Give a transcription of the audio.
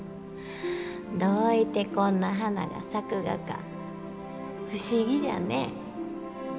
どういてこんな花が咲くがか不思議じゃね。